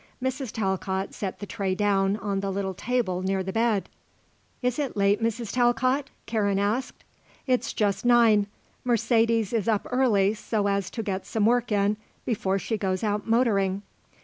Mrs. Talcott set the tray down on the little table near the bed. "Is it late, Mrs. Talcott?" Karen asked. "It's just nine; Mercedes is up early so as to get some work in before she goes out motoring."